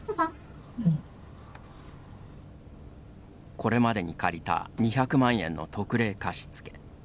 これまでに借りた２００万円の特例貸付。